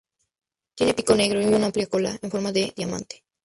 Tiene pico negro, y una amplia cola en forma de diamante.